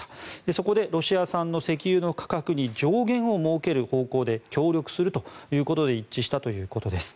そこでロシア産の石油の価格に上限を設ける方向で協力するということで一致したということです。